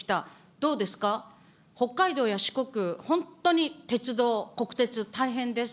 どうですか、北海道や四国、本当に鉄道、国鉄、大変です。